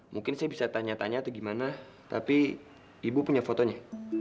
mungkin saya bisa tanya tanya atau gimana tapi ibu punya fotonya